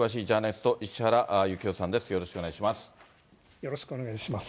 よろしくお願いします。